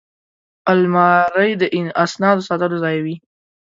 الماري د اسنادو ساتلو ځای وي